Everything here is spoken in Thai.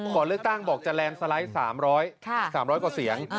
ก่อนเลือกตั้งบอกจะแลนด์สไลด์๓๐๐๓๐๐กว่าเสียง